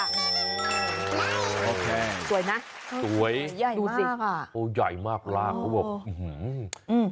โอเคสวยนะสวยดูสิโอ้ยใหญ่มากล่ะเขาบอกอื้อหือ